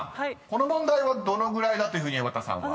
この問題はどのぐらいだというふうに江畑さんは？］